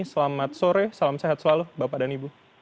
selamat sore salam sehat selalu bapak dan ibu